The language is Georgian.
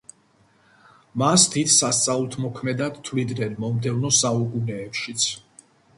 მას დიდ სასწაულმოქმედად თვლიდნენ მომდევნო საუკუნეებშიც.